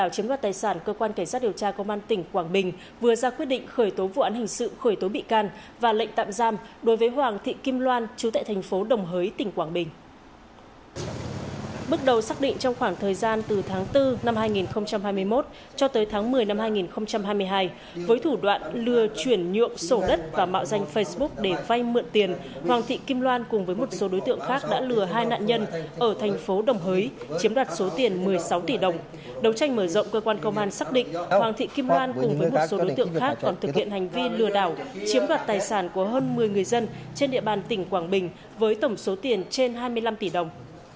trong cuộc chiến tranh mở rộng cơ quan công an xác định hoàng thị kim hoan cùng với một số đối tượng khác còn thực hiện hành vi lừa đảo chiếm gạt tài sản của hơn một mươi người dân trên địa bàn tỉnh quảng bình với tổng số tiền trên hai mươi năm tỷ đồng